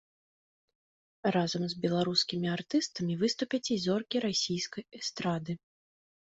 Разам з беларускімі артыстамі выступяць і зоркі расійскай эстрады.